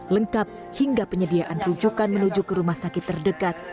lengkap hingga penyediaan rujukan menuju ke rumah sakit terdekat